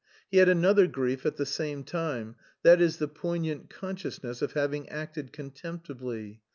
He had another grief at the same time, that is the poignant consciousness of having acted contemptibly.